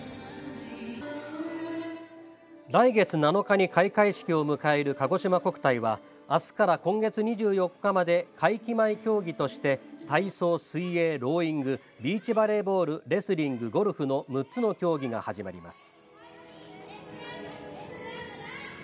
来月７日に開会式を迎えるかごしま国体はあすから今月２４日まで会期前競技として体操や水泳、ローイングビーチバレーボールレスリング、ゴルフの６つの競技が始まります。